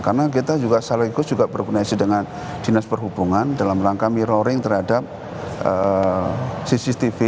karena kita juga salingkos juga berkoneksi dengan dinas perhubungan dalam langkah mirroring terhadap cctv